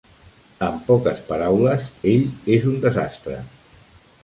En poques paraules, ell és un desastre.